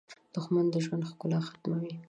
• دښمني د ژوند ښکلا ختموي.